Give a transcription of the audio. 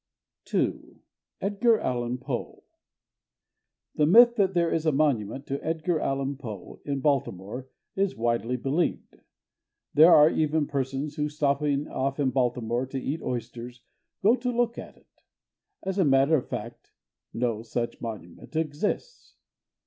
2 Edgar Allan Poe The myth that there is a monument to Edgar Allan Poe in Baltimore is widely believed; there are even persons who, stopping off in Baltimore to eat oysters, go to look at it. As a matter of fact, no such monument exists.